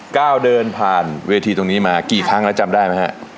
ก้าวเดินผ่านเวทีตรงนี้มากี่ครั้งแล้วจำได้ไหมฮะ